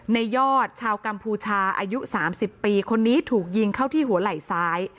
ยอดชาวกัมพูชาอายุ๓๐ปีคนนี้ถูกยิงเข้าที่หัวไหล่ซ้าย